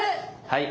はい！